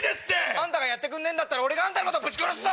あんたがやってくんねえんなら俺があんたのことぶち殺すぞ！